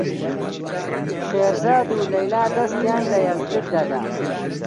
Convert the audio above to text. شێرزاد و لەیلا دەستیان لە یەکتر دەدا.